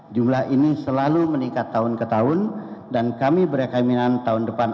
jumlah ini selalu meningkat tahun ke tahun dan kami berkeinginan tahun depan